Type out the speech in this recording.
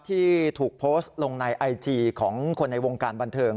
ที่ถูกโพสต์ลงในไอจีของคนในวงการบันเทิง